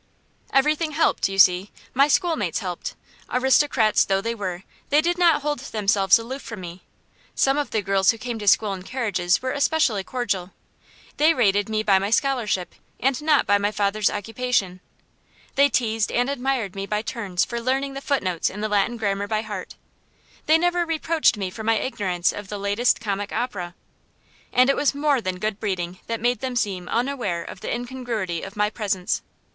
Everything helped, you see. My schoolmates helped. Aristocrats though they were, they did not hold themselves aloof from me. Some of the girls who came to school in carriages were especially cordial. They rated me by my scholarship, and not by my father's occupation. They teased and admired me by turns for learning the footnotes in the Latin grammar by heart; they never reproached me for my ignorance of the latest comic opera. And it was more than good breeding that made them seem unaware of the incongruity of my presence.